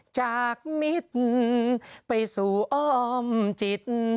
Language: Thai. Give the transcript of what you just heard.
จากมิตรไปสู่อ้อมจิต